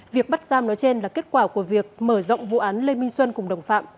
việc bắt giam nói trên là kết quả của việc mở rộng vụ án lê minh xuân cùng đồng phạm